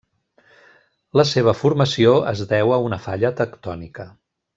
La seva formació es deu a una falla tectònica.